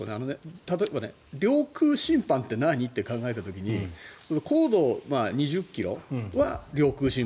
例えば、領空侵犯って何？って考えた時に高度２０ｋｍは領空侵犯。